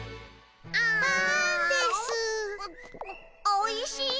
おいしい。